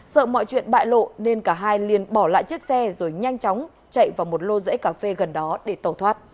sợ mọi chuyện bại lộ nên cả hai liền bỏ lại chiếc xe rồi nhanh chóng chạy vào một lô rẫy cà phê gần đó để tẩu thoát